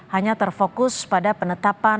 hanya terfokus pada penetapan